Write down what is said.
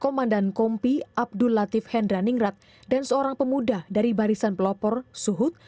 komandan kompi abdul latif hendra ningrat dan seorang pemuda dari barisan pelopor suhut